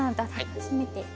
初めて。